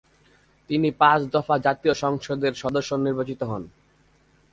তিনি পাঁচ দফা জাতীয় সংসদের সদস্য নির্বাচিত হন।